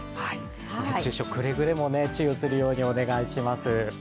熱中症、くれぐれも注意するようにしてください。